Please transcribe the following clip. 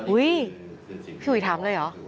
อุ๊ยพี่หวีถามเลยหรือ